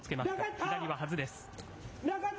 左ははずです。